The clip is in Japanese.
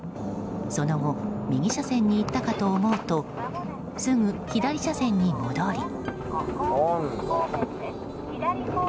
その後、右車線に行ったかと思うとすぐ左車線に戻り。